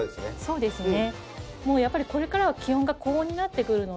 そうですね。